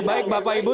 baik bapak ibu